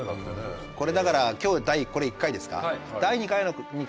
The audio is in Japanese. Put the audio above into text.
これだから今日これ１回ですか？